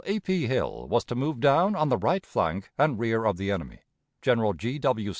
A. P. Hill was to move down on the right flank and rear of the enemy. General G. W.